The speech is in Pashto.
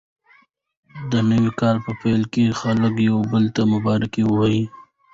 د نوي کال په پیل کې خلک یو بل ته مبارکي ورکوي.